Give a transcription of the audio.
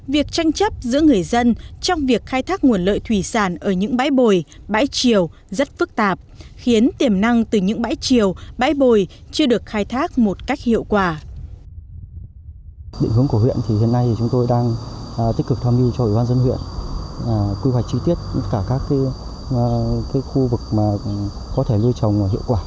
việc tranh chấp giữa người dân trong việc khai thác nguồn lợi thủy sản ở những bãi bồi bãi chiều rất phức tạp khiến tiềm năng từ những bãi chiều bãi bồi chưa được khai thác một cách hiệu quả